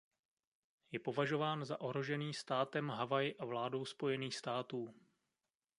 Je považován za ohrožený státem Havaj a vládou Spojených států.